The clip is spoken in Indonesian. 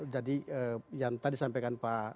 jadi yang tadi sampaikan pak